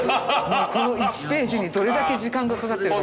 この１ページにどれだけ時間がかかっているか。